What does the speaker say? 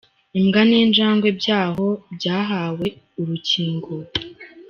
Imbwa n’injangwe byaho byahawe urukingo